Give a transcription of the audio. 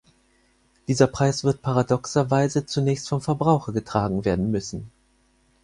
Dieser Preis wird paradoxerweise zunächst vom Verbraucher getragen werden müssen.